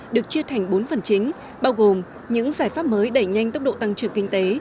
được chia thành bốn phần chính bao gồm những giải pháp mới đẩy nhanh tốc độ tăng trưởng kinh tế